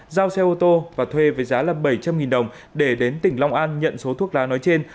giao xe ô tô và thuê với giá là bảy trăm linh đồng để đến tỉnh long an nhận số thuốc lá nói trên